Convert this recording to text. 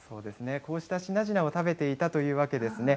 こうした品々を食べていたというわけですね。